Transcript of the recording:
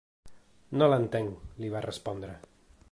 No l’entenc, li va respondre.